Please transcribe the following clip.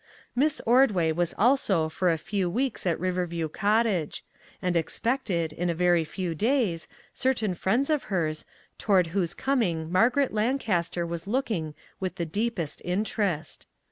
Miss Ordway was also for a few weeks at Riverview Cottage, and expected, in a very few days, certain friends of hers, toward whose coming Margaret Lancaster was looking with the deepest interest.